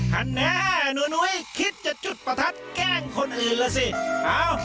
แน่หนูนุ้ยคิดจะจุดประทัดแกล้งคนอื่นล่ะสิ